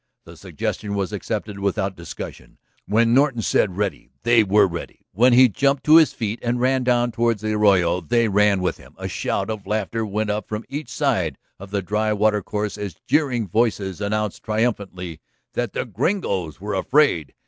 The suggestion was accepted without discussion. When Norton said "Ready," they were ready; when he jumped to his feet and ran down toward the arroyo, they ran with him. A shout of laughter went up from each side of the dry water course as jeering voices announced triumphantly that the Gringoes were afraid.